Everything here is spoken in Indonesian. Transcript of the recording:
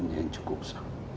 yang cukup besar